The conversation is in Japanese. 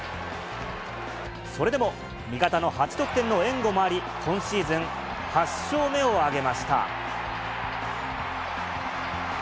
それでも味方の８得点の援護もあり、今シーズン８勝目を挙げました。